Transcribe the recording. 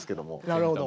なるほど。